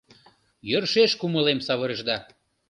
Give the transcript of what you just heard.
Йӧршеш кумылем савырышда.